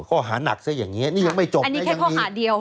ข้อหาหนักซะอย่างนี้นี่ยังไม่จบนะยังมีอันนี้แค่ข้อหาที่เดียว